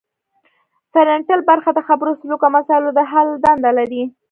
فرنټل برخه د خبرو سلوک او مسایلو د حل دنده لري